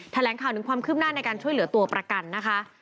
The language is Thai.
แถลงข่าวถึงความคืบหน้าในการช่วยเหลือตัวประกันนะคะ